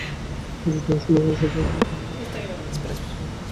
রিটের শুনানি শেষে আদালত তাঁদের প্রার্থিতা বাতিলের আদেশ অবৈধ ঘোষণা করেছেন।